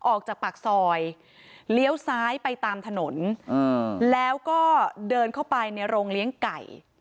ออกจากปากซอยเลี้ยวซ้ายไปตามถนนแล้วก็เดินเข้าไปในโรงเลี้ยงไก่